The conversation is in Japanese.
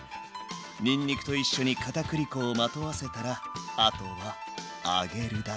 にんにくと一緒に片栗粉をまとわせたらあとは揚げるだけ。